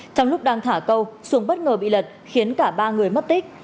trong lúc đang thả câu xuống bất ngờ bị lật khiến cả ba người mất tích